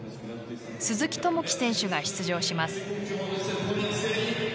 鈴木朋樹選手が出場します。